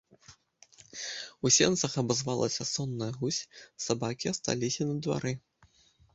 У сенцах абазвалася сонная гусь, сабакі асталіся на двары.